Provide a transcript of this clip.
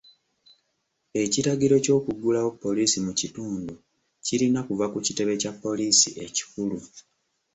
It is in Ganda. Ekiragiro ky'okuggulawo poliisi mu kitundu kirina kuva ku kitebe kya poliisi ekikulu.